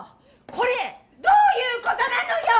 これどういうことなのよ